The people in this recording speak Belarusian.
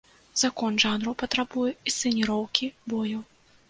Закон жанру патрабуе інсцэніроўкі бою.